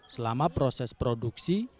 selama proses produksi